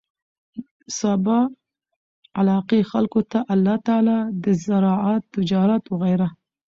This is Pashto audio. د سبا علاقې خلکو ته الله تعالی د زراعت، تجارت وغيره